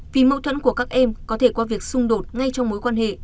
vì mâu thuẫn của các em có thể qua việc xung đột ngay trong mối quan hệ